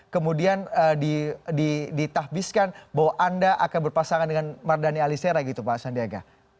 kemudian ditahbiskan bahwa anda akan berpasangan dengan mardhani alisera gitu pak sandiaga